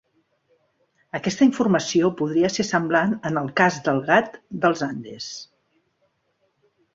Aquesta informació podria ser semblant en el cas del gat dels Andes.